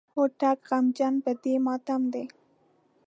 هوتک غمجن په دې ماتم دی.